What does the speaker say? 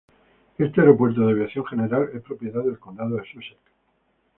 Este aeropuerto de aviación general es propiedad del condado de Sussex.